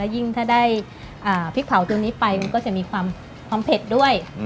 ยิ่งถ้าได้พริกเผาตัวนี้ไปมันก็จะมีความเผ็ดด้วย